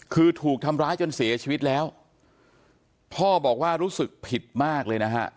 คือถูกทำร้ายจนเสียชีวิตแล้วพ่อบอกว่ารู้สึกผิดมากเลยนะฮะ